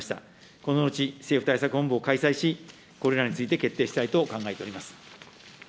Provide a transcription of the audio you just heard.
この後、政府対策本部を開催し、これらについて決定したいと考えております。